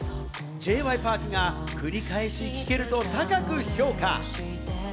Ｊ．Ｙ．Ｐａｒｋが繰り返し聴けると高く評価。